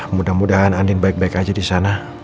mudah mudahan andin baik baik aja di sana